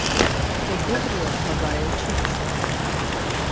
То добрий одгадає час